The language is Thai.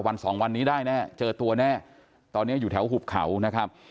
สองวันนี้ได้แน่เจอตัวแน่ตอนนี้อยู่แถวหุบเขานะครับ